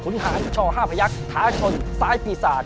ขุนฐานชอห้าพระยักษ์ท้าชนซ้ายปีศาจ